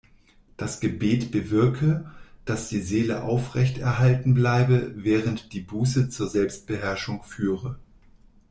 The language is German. Das Gebet bewirke, dass die Seele aufrechterhalten bleibe, während die Buße zur Selbstbeherrschung führe.